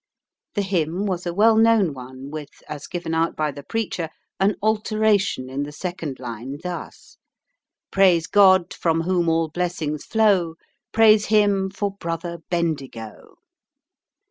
The hymn was a well known one, with, as given out by the preacher, an alteration in the second line thus: "Praise God from whom all blessings flow, Praise Him for brother Bendigo."